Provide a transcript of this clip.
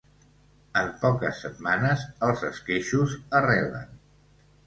En poques setmanes, els esqueixos arrelen.